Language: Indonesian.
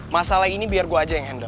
masalah ini biar gue aja yang endor